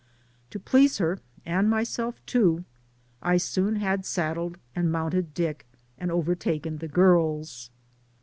To please her, and myself, too, I soon had saddled and mounted Dick and overtaken the girls.